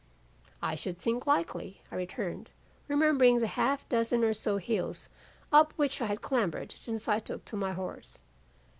"'I should think likely,' I returned, remembering the half dozen or so hills up which I had clambered since I took to my horse.